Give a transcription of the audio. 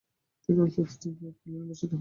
তিনি রয়াল সোসাইটির ফেলো নির্বাচিত হন।